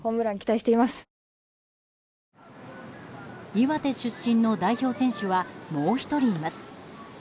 岩手出身の代表選手はもう１人います。